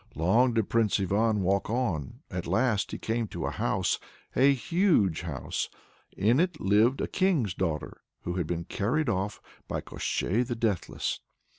Long did Prince Ivan walk on; at last he came to a house, a huge house! In it lived a king's daughter who had been carried off by Koshchei the Deathless.